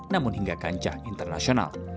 namun hingga kancah internasional